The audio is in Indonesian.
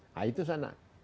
nah itu sana